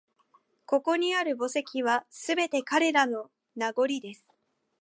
ここにある墓石は、すべて彼らの…名残です